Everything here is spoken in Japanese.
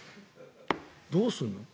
どうするの。